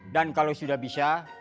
dan kalau sudah bisa